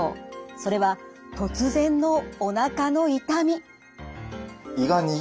それは突然のおなかの痛み。